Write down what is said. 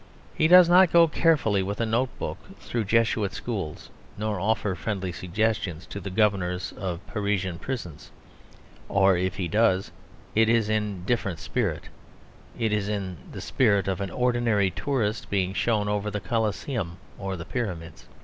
He does not go carefully with a notebook through Jesuit schools nor offer friendly suggestions to the governors of Parisian prisons. Or if he does, it is in a different spirit; it is in the spirit of an ordinary tourist being shown over the Coliseum or the Pyramids.